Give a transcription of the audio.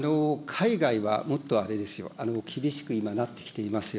海外はもっとあれですよ、厳しく今なってきていますよ。